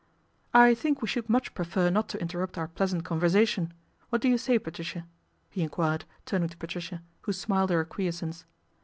" I think we should much prefer not to interrupt our pleasant conversation. What do you say, Patricia ?" he enquired, turning to Patricia, who smiled her acquiescence.